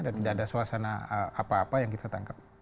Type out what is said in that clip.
dan tidak ada suasana apa apa yang kita tangkap